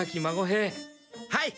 はい！